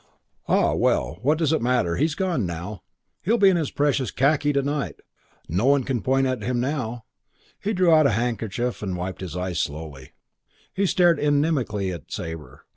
"Ah, well, what does it matter? He's gone now. He'll be in this precious khaki to night. No one can point at him now." He drew out a handkerchief and wiped his eyes slowly. He stared inimically at Sabre.